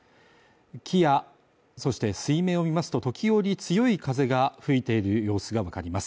木やそして水面を見ますと時折強い風が吹いている様子が分かります